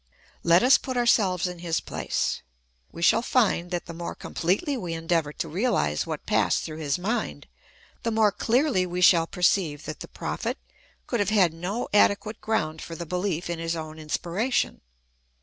Let us put ourselves in his place ; 192 THE ETHICS OF BELIEF. we shall find that the more completely we endeavour to realize what passed through his mind, the more clearly we shall perceive that the Prophet could have had no adequate ground for the behef in his own inspiration.